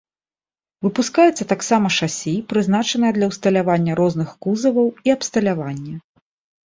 Выпускаецца таксама шасі, прызначанае для ўсталявання розных кузаваў і абсталявання.